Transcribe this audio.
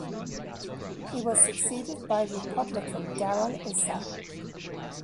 He was succeeded by Republican Darrell Issa.